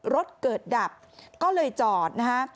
รถเกิดดับก็เลยจอดนะฮะ